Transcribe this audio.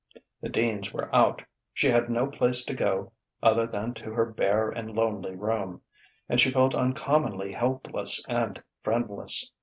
The Deans were out. She had no place to go other than to her bare and lonely room, and she felt uncommonly hopeless and friendless.